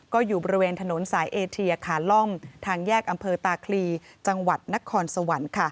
ก็อยู่บริเวณถนนสายเอเทียขาล่อมทางแยกอำเภอตาคลีจังหวัดนครสวรรค์